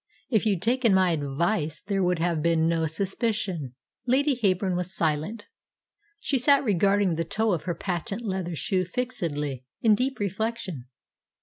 If you'd taken my advice there would have been no suspicion." Lady Heyburn was silent. She sat regarding the toe of her patent leather shoe fixedly, in deep reflection.